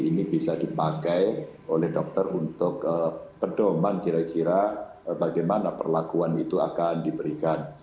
ini bisa dipakai oleh dokter untuk pedoman kira kira bagaimana perlakuan itu akan diberikan